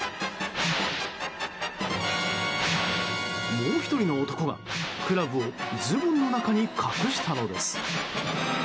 もう１人の男がクラブをズボンの中に隠したのです。